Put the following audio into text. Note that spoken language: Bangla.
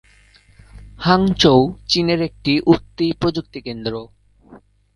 হাংচৌ চীনের একটি উঠতি প্রযুক্তিকেন্দ্র।